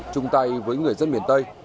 trung tay với người dân miền tây